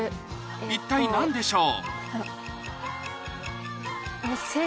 一体何でしょう？